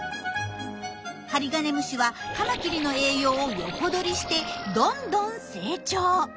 ハリガネムシはカマキリの栄養を横取りしてどんどん成長。